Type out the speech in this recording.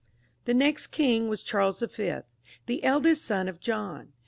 The next king was Charles V., the eldest son of John.